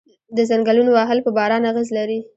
د ځنګلونو وهل په باران اغیز لري؟